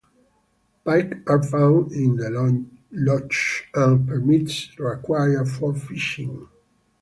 Pike are found in the loch and a permit is required for fishing.